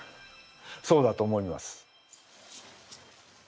そうだと思います。